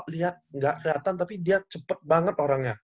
dia ga kreatan tapi dia cepet banget orangnya